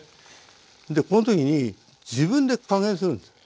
でこの時に自分で加減するんですよ。